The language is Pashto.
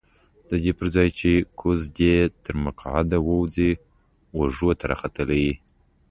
ددې پرځای چې ګوز دې تر مکعده ووځي اوږو ته راختلی.